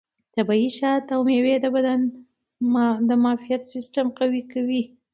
طبیعي شات او مېوې د بدن د معافیت سیستم قوي کوي.